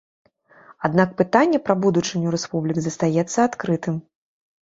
Аднак пытанне пра будучыню рэспублік застаецца адкрытым.